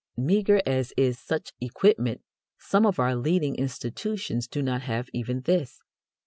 Meagre as is such equipment, some of our leading institutions do not have even this.